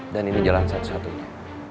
dan ini jalan satu satunya